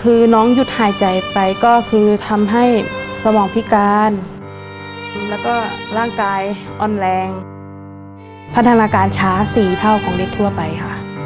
คือน้องหยุดหายใจไปก็คือทำให้สมองพิการแล้วก็ร่างกายอ่อนแรงพัฒนาการช้า๔เท่าของเด็กทั่วไปค่ะ